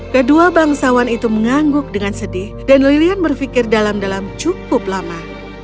kedua bangsawan itu mengangguk dengan sedih dan lilian berpikir dalam dalam cukup lama